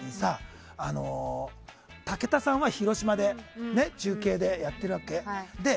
武田さんは広島で中継でやっているわけ。